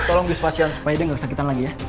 tolong dius pasien supaya dia gak kesakitan lagi ya